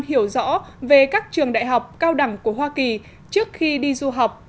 hiểu rõ về các trường đại học cao đẳng của hoa kỳ trước khi đi du học